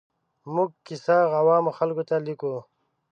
موږ کیسه عوامو خلکو ته لیکو.